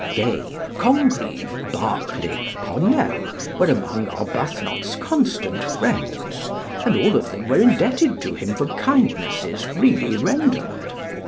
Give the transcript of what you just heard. Gay, Congreve, Berkeley, Parnell, were among Arbuthnot's constant friends, and all of them were indebted to him for kindnesses freely rendered.